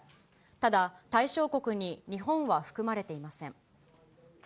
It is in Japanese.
ただ対象国に日本は含まれていません。